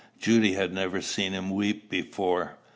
Judy had never seen him weep before.